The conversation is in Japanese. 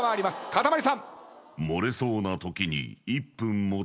かたまりさん。